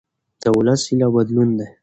د ولس هیله بدلون دی